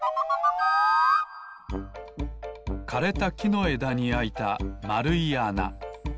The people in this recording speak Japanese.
かれたきのえだにあいたまるいあな。